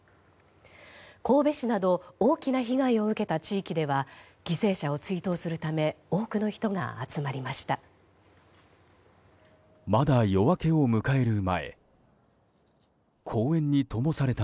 神戸市など大きな被害を受けた地域では犠牲者を追悼するため多くの人が集まりました。